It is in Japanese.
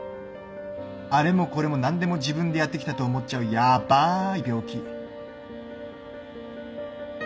あれもこれも何でも自分でやってきたと思っちゃうヤバーい病気。